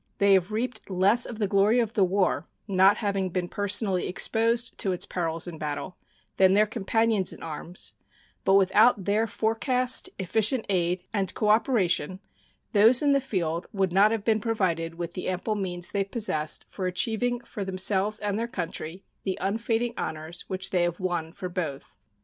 They have reaped less of the glory of the war, not having been personally exposed to its perils in battle, than their companions in arms; but without their forecast, efficient aid, and cooperation those in the field would not have been provided with the ample means they possessed of achieving for themselves and their country the unfading honors which they have won for both.